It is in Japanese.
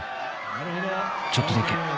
ちょっとだけ。